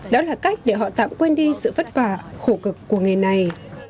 đó là cách để họ tạm quên đi sự vất vả khổ cực của nghề này